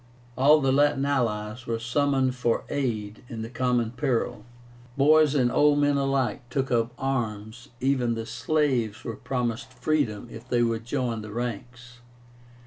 All the Latin allies were summoned for aid in the common peril. Boys and old men alike took up arms even the slaves were promised freedom if they would join the ranks.